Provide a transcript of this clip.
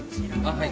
はい。